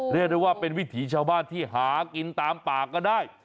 เรียกได้ว่าเป็นวิถีชาวบ้านที่หากินตามปากก็ได้